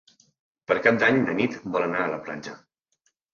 Per Cap d'Any na Nit vol anar a la platja.